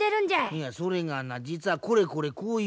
いやそれがな実はこれこれこういう訳じゃよ。